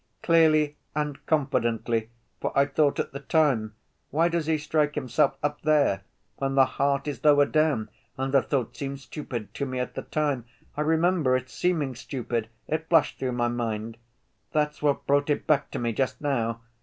"Clearly and confidently, for I thought at the time, 'Why does he strike himself up there when the heart is lower down?' and the thought seemed stupid to me at the time ... I remember its seeming stupid ... it flashed through my mind. That's what brought it back to me just now.